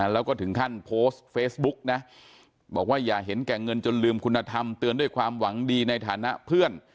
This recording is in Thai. แล้วก็ถึงขั้นโพสต์เฟซบุ๊กนะบอกว่าอย่าเห็นแก่เงินจนลืมคุณธรรมเตือนด้วยความหวังดีในฐานะเพื่อน